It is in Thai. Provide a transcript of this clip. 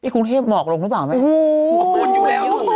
คุณเทพบอกหรือเปล่าไหมโอ้โฮ